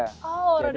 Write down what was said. oh roda maju bahagia